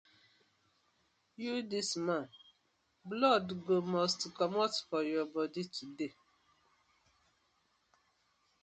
Yu dis man, blood go must komot for yah bodi today.